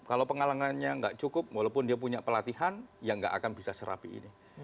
kalau pengalamannya nggak cukup walaupun dia punya pelatihan ya nggak akan bisa serapi ini